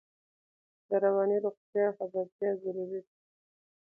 د رواني روغتیا خبرتیا ضروري ده.